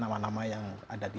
nama nama yang ada di